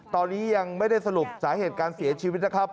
ตอนนี้ยังไม่ได้สรุปสาเหตุการเสียชีวิตนะครับ